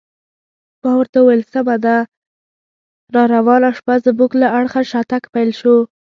ما ورته وویل: سمه ده، راروانه شپه زموږ له اړخه شاتګ پیل شو.